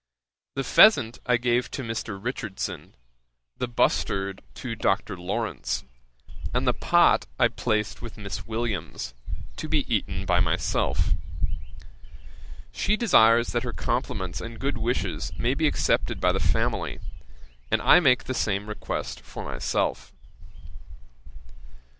The pheasant I gave to Mr. Richardson, the bustard to Dr. Lawrence, and the pot I placed with Miss Williams, to be eaten by myself. She desires that her compliments and good wishes may be accepted by the family; and I make the same request for myself.